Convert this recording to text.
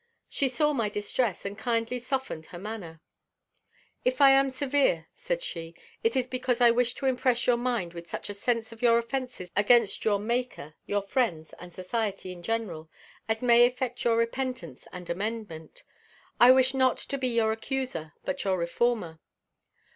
She saw my distress, and kindly softened her manner. "If I am severe," said she, "it is because I wish to impress your mind with such a sense of your offences against your Maker, your friends, and society in general, as may effect your repentance and amendment. I wish not to be your accuser, but your reformer.